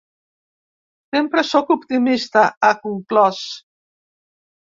Sempre sóc optimista, ha conclòs.